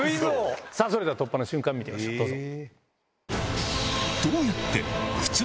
それでは突破の瞬間見てみましょうどうぞ。